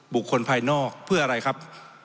บุคคลภายนอกเพื่ออะไรครับ